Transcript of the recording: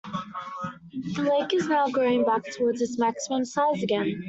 The lake is now growing back towards its maximum size again.